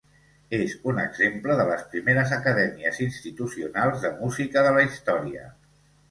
És un exemple de les primeres acadèmies institucionals de música de la història.